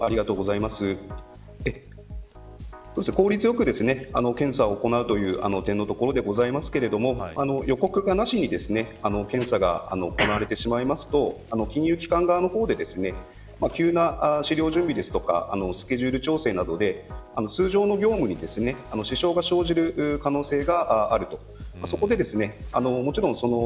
効率よく検査を行うという点のところですが予告なしに検査が行われてしまいますと金融機関側の方で急な資料準備とかスケジュール調整などで通常の業務に支障が生じる可能性があると。